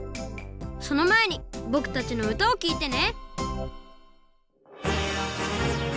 そのまえにぼくたちのうたをきいてね